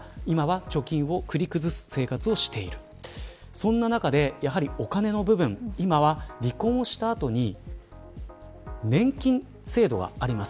そんな中で、やはりお金の部分今は離婚をした後に年金制度はあります。